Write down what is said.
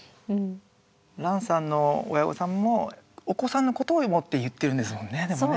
ランさんの親御さんもお子さんのことを思って言ってるんですもんねでもね。